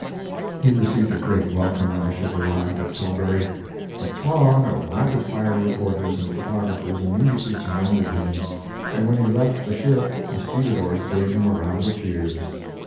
He received a great welcome when the ship arrived at Tilbury. A throng of rapid fire reporters and photographers immediately surrounded him, and when he left the ship the stevedores gave him a round of cheers.